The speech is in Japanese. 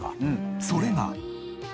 それが。